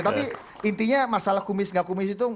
tapi intinya masalah kumis gak kumis itu